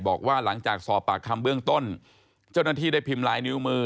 บอกว่าหลังจากสอบปากคำเบื้องต้นเจ้าหน้าที่ได้พิมพ์ลายนิ้วมือ